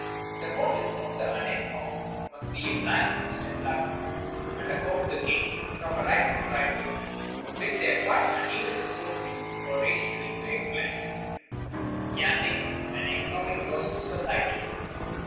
The motive of the uninformed must be a blind trust in luck, and a hope to gain from a rise in prices which they are quite unable to foresee or rationally to explain. [Sidenote: Gambling an economic loss to society] 4.